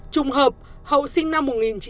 trùng hợp hậu sinh năm một nghìn chín trăm tám mươi bảy